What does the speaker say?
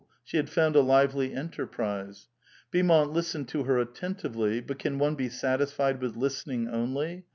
She had found a lively enterprise. Beaumont listened to her attentively ; but can one l>e satisfied with listening only?